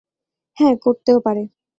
হ্যাঁ, করতেও পারে।